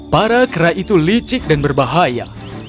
para kera itu licik dan berbahaya